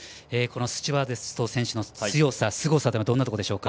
スチュワード選手の強さ、すごさはどんなところでしょうか？